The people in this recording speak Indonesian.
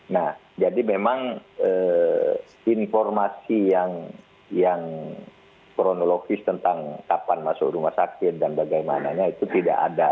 nah jadi memang informasi yang kronologis tentang kapan masuk rumah sakit dan bagaimananya itu tidak ada